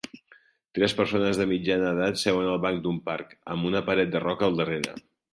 Tres persones de mitjana edat seuen al banc d'un parc, amb una paret de roca al darrere.